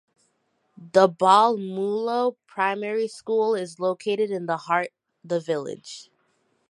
The Balmullo Primary School is located in the heart the village.